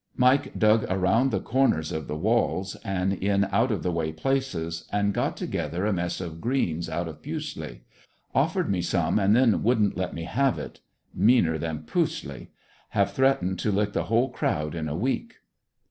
Mike dug around the corners of the walls, and in out of the way places, and got together a mess of greens out of pusley. Offered me some and then wouldn't let me have it. Meaner than pusley. Have threatened to lick the whole crowd in a week.